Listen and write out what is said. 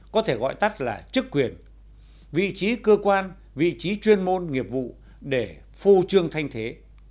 có thể gọi tắt là chức quyền vị trí cơ quan vị trí chuyên môn nghiệp vụ để phô trương thanh thế